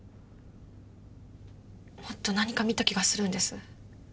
もっと何か見た気がするんです。